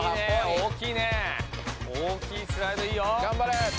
大きいスライドいいよ。がんばれ！